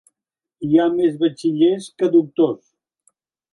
Hi ha més batxillers que doctors.